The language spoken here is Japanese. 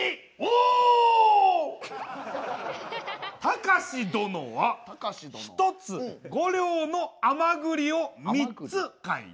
たかし殿は１つ５両の甘ぐりを３つ買い。